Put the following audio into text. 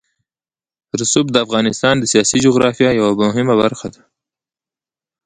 رسوب د افغانستان د سیاسي جغرافیه یوه مهمه برخه ده.